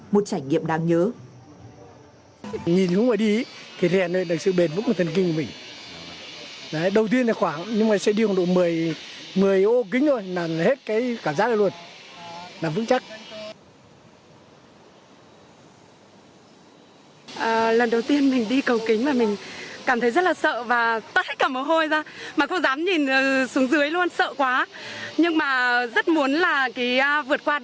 một trải nghiệm đáng nhớ